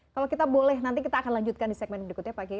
kalau kita boleh nanti kita akan lanjutkan di segmen berikutnya pak kiai